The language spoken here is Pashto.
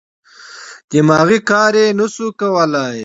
دماغي کار نه شوای کولای.